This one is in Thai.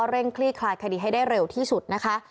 คลี่คลายคดีให้ได้เร็วที่สุดนะคะ